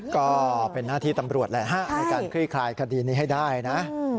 ก็เป็นหน้าที่ตำรวจแหละฮะในการคลี่คลายคดีนี้ให้ได้นะ